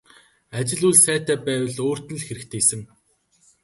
Ажил үйл сайтай байвал өөрт нь л хэрэгтэйсэн.